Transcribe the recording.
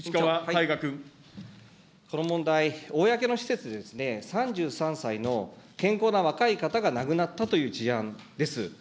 この問題、公の施設でですね、３３歳の健康な若い方が亡くなったという事案です。